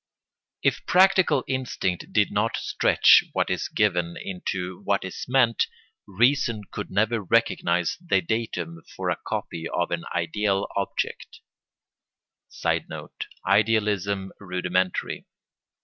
If practical instinct did not stretch what is given into what is meant, reason could never recognise the datum for a copy of an ideal object. [Sidenote: Idealism rudimentary.